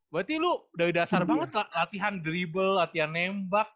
berarti lu dari dasar banget latihan drible latihan nembak